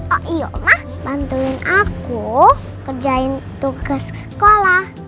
oh iya mah bantuin aku kerjain tugas sekolah